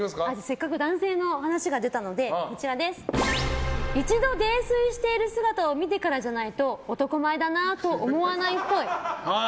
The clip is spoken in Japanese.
せっかく男性の話が出たので一度泥酔している姿を見てからじゃないと男前だなあと思わないっぽい。